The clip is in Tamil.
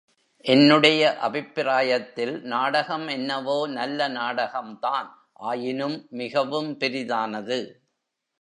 என்னுடைய அபிப்பிராயத்தில் நாடகம் என்னவோ நல்ல நாடகம்தான் ஆயினும் மிகவும் பெரிதானது.